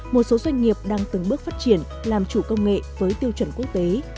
một số doanh nghiệp đang từng bước phát triển làm chủ công nghệ với tiêu chuẩn quốc tế